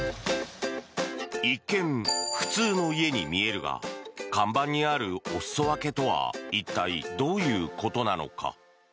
一見、普通の家に見えるが看板にある「おすそわけ」とは一体どういうことなのか。